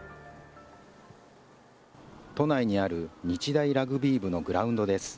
都内にある日大ラグビー部のグラウンドです。